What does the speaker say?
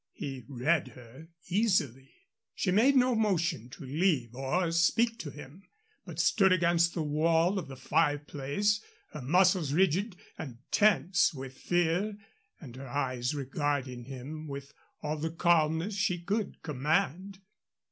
He read her easily. She made no motion to leave or speak to him, but stood against the wall of the fireplace, her muscles rigid and tense with fear and her eyes regarding him with all the calmness she could command.